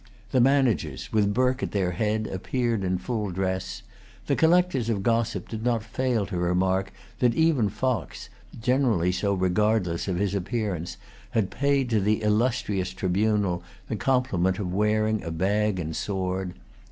The managers, with Burke at their head, appeared in full dress. The collectors of gossip did not fail to remark that even Fox, generally so regardless of his appearance, had paid to the illustrious tribunal the compliment of wearing a bag and sword.